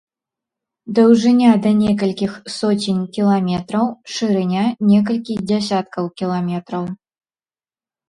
Даўжыня да некалькіх соцень кіламетраў, шырыня некалькі дзясяткаў кіламетраў.